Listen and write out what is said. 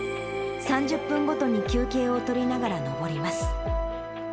３０分ごとに休憩を取りながら登ります。